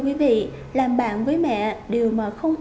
con đi ra ngoài một tí để đồng cơ một con nhé